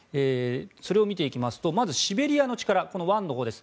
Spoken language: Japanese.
それを見ていきますと、まずシベリアの力、１のほうです。